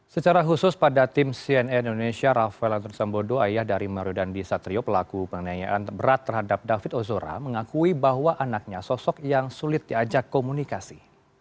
secara khusus pada tim cnn indonesia rafael alun trisambodo ayah dari mario dandi satrio pelaku penganiayaan berat terhadap david ozora mengakui bahwa anaknya sosok yang sulit diajak komunikasi